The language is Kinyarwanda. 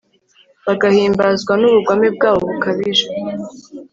bagahimbazwa n'ubugome bwabo bukabije